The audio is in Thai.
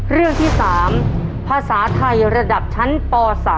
เรื่องที่๓ภาษาไทยระดับชั้นป๓